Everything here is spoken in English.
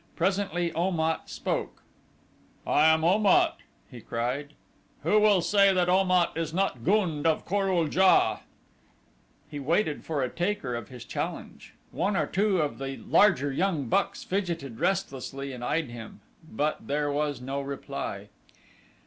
Presently Om at spoke. "I am Om at," he cried. "Who will say that Om at is not gund of Kor ul JA?" He waited for a taker of his challenge. One or two of the larger young bucks fidgeted restlessly and eyed him; but there was no reply.